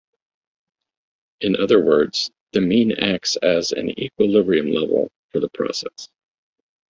In other words, the mean acts as an equilibrium level for the process.